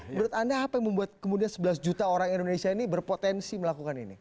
menurut anda apa yang membuat kemudian sebelas juta orang indonesia ini berpotensi melakukan ini